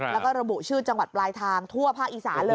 แล้วก็ระบุชื่อจังหวัดปลายทางทั่วภาคอีสานเลย